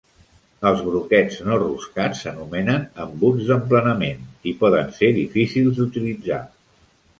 Els broquets no roscats s'anomenen embuts d'emplenament i poden ser difícils d'utilitzar.